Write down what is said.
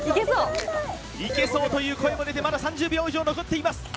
いけそうという声も出てまだ３０秒以上残っています！